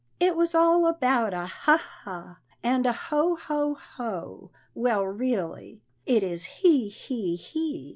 It was all about a ha! ha! and a ho! ho! ho! well really, It is he! he!